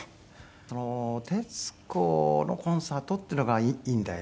その「徹子のコンサート」っていうのがいいんだよね